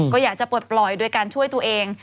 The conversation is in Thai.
ก็อยากจะปลดปล่อยโดยการช่วยตัวเอง